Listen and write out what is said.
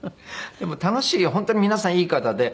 でも楽しい本当に皆さんいい方で。